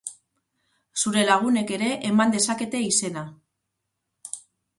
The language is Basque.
Zure lagunek ere eman dezakete izena.